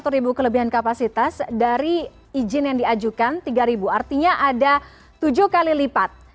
satu ribu kelebihan kapasitas dari izin yang diajukan tiga artinya ada tujuh kali lipat